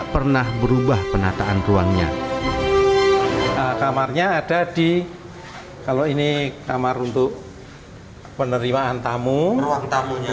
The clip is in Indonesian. perwakilan ruangnya kamarnya ada di kalau ini kamar untuk penerimaan tamu ruang tamunya